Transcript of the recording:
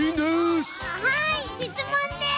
はいしつもんです。